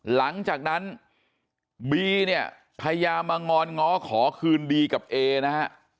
หลังจากนั้นบีเนี่ยพยายามมางอนง้อขอคืนดีกับเอนะฮะ